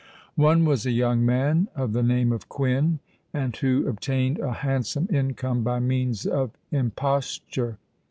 One was a young man, of the name of Quin, and who obtained a handsome income by means of imposture.